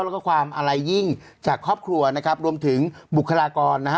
แล้วก็ความอะไรยิ่งจากครอบครัวนะครับรวมถึงบุคลากรนะฮะ